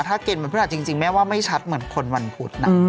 ถ้าเกณฑ์วันพฤหัสจริงแม่ว่าไม่ชัดเหมือนคนวันพุธนะ